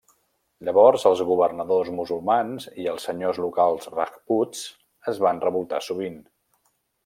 Llavors els governadors musulmans i els senyors locals rajputs es va revoltar sovint.